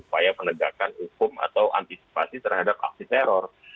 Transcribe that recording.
upaya penegakan hukum atau antisipasi terhadap aksi teror